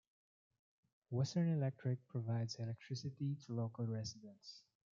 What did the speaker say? Western Electric provides electricity to local residents.